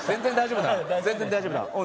全然大丈夫だ。